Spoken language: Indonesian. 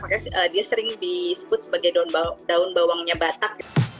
makanya dia sering disebut sebagai daun bawangnya batak